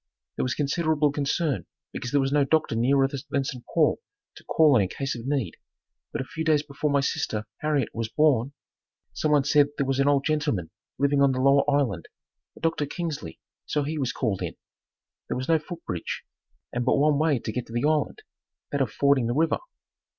There was considerable concern because there was no doctor nearer than St. Paul to call on in case of need, but a few days before my sister, Harriet was born, someone said there was an old gentleman living on the lower island, a Doctor Kingsley, so he was called in. There was no foot bridge and but one way to get to the island, that of fording the river.